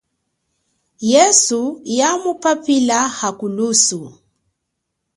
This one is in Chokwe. Yesu yamuphaphila, hakulusu.